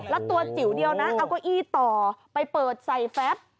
แล้วตัวจิ๋วเดียวนะเอาเก้าอี้ต่อไปเปิดใส่แฟบ